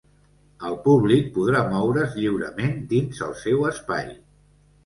El públic podrà moure’s lliurement dins el seu espai.